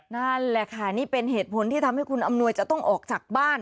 นั่นแหละค่ะนี่เป็นเหตุผลที่ทำให้คุณอำนวยจะต้องออกจากบ้าน